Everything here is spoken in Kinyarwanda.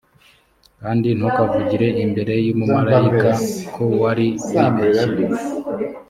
kandi ntukavugire imbere y umumarayika o ko wari wibeshye